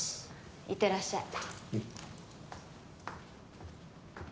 いってらっしゃい。